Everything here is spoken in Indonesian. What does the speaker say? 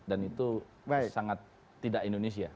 dan itu sangat tidak indonesia